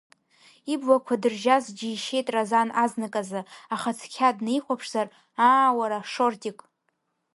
Иблақәа дыржьаз џьишьеит Разан азнык азы, аха цқьа днаихәаԥшзар, аа, уара, Шортик.